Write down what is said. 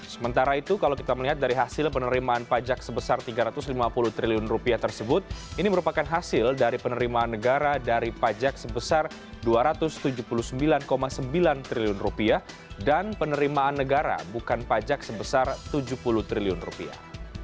sementara itu kalau kita melihat dari hasil penerimaan pajak sebesar tiga ratus lima puluh triliun rupiah tersebut ini merupakan hasil dari penerimaan negara dari pajak sebesar dua ratus tujuh puluh sembilan sembilan triliun rupiah dan penerimaan negara bukan pajak sebesar tujuh puluh triliun rupiah